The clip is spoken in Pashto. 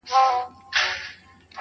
کاينات راڅه هېريږي ورځ تېرېږي~